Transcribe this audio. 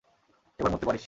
এবার মরতে পারিস।